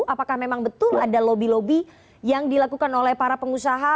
apakah memang betul ada lobby lobby yang dilakukan oleh para pengusaha